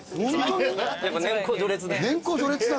やっぱ年功序列で。